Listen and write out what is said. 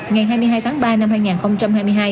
ngày hai mươi hai tháng ba năm hai nghìn hai mươi hai